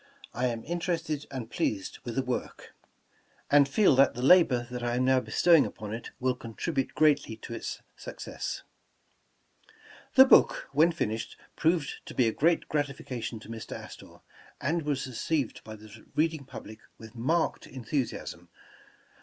I am interested and pleased with the work, and feel that the labor that I am now bestowing upon it will contribute greatly to its success." The book, when finished, proved to be a great gratifi cation to Mr. Astor, and was received by the reading public with marked enthusiasm.